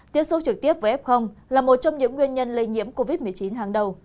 tiếp sâu trực tiếp với f là một trong những nguyên nhân lây nhiễm covid một mươi chín hàng đầu